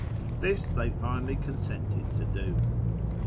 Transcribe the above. This they finally consented to do.